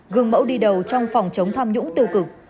gương mẫu đi đầu trong phòng chống tham nhũng tiêu cực